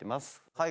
はい。